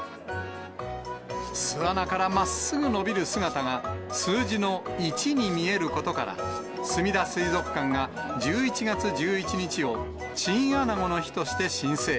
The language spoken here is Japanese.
巣穴からまっすぐ伸びる姿が、数字の１に見えることから、すみだ水族館が１１月１１日をチンアナゴの日として申請。